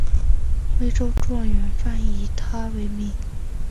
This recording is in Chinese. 徽州状元饭以他为名。